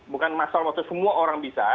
bukan masalah maksudnya semua orang bisa